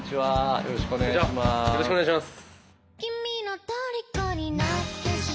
よろしくお願いします。